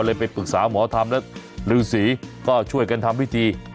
เลยไปปรึกษาหมอทำและลืมสีก็ช่วยกันทำวิธี